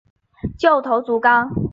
旧头足纲